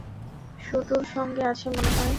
শুটুর সঙ্গে আছে মনে হয়!